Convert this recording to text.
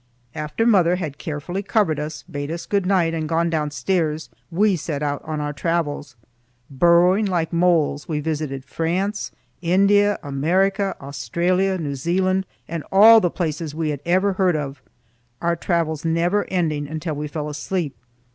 After mother had carefully covered us, bade us good night and gone downstairs, we set out on our travels. Burrowing like moles, we visited France, India, America, Australia, New Zealand, and all the places we had ever heard of; our travels never ending until we fell asleep.